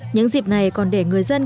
những dịp này còn để người dân